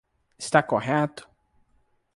Está correto?